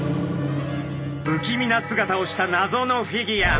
不気味な姿をしたなぞのフィギュア。